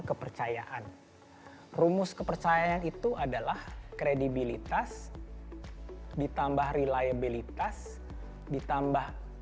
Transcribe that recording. kepercayaan rumus kepercayaan itu adalah kredibilitas ditambah reliabilitas ditambah